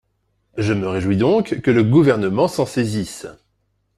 Je me réjouis donc que le Gouvernement s’en saisisse.